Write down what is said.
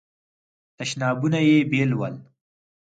تشنابونه یې بیل ول.